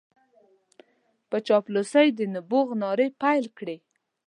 په چاپلوسۍ د نبوغ نارې پېل کړې.